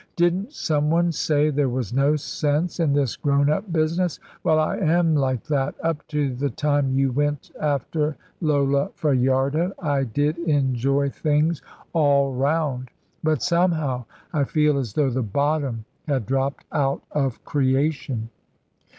Didn't some one say there was no sense in this grown up business. Well, I am like that. Up to the time you went after Lola Fajardo I did enjoy things all round, but somehow I feel as though the bottom had dropped out of creation."